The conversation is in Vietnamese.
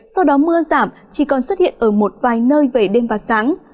sau đó mưa giảm chỉ còn xuất hiện ở một vài nơi về đêm và sáng